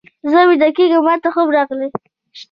زه ویده کېږم، ماته خوب راغلی.